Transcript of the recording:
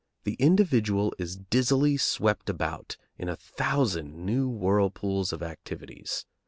The individual is dizzily swept about in a thousand new whirlpools of activities.